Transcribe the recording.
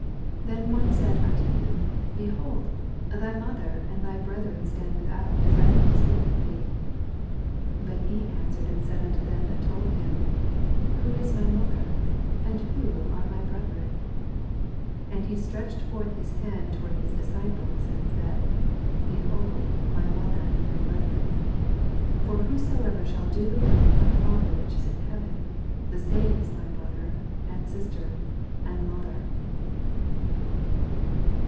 47 Then one said unto him. Behold, thy mother and thy brethren stand without, desiring to speak with thee. 48 But he answered and sud unto him thattold him. Who is my mother ff and who are my orethren ? 49 And he stretched forth his hand toward his disciples, and said, Behold my mother and my brethren. 50 For whosoever shall do the will of my Father which is in heaven, the same is my brother, and sister, and mother.